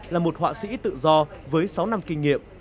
là một họa sĩ tự do với sáu năm kinh nghiệm